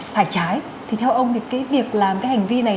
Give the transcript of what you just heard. phải trái thì theo ông thì cái việc làm cái hành vi này